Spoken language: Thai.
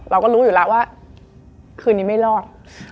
เราก็รู้อยู่แล้วว่าคืนนี้ไม่รอด